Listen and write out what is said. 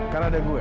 kan ada gue